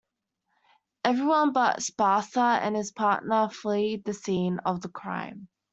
Everyone but Sparser and his partner flee the scene of the crime.